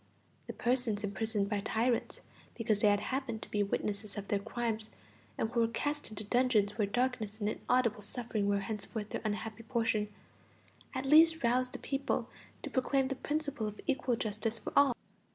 The persons imprisoned by tyrants because they had happened to be witnesses of their crimes, and who were cast into dungeons where darkness and inaudible suffering were henceforth their unhappy portion, at least roused the people to proclaim the principle of equal justice for all.